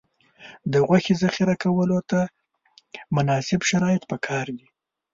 د غوښې ذخیره کولو ته مناسب شرایط پکار دي.